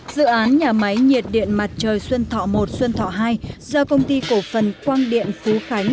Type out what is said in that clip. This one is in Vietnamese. dự án nhà máy nhiệt điện mặt trời xuân thọ một xuân thọ hai do công ty cổ phần quang điện phú khánh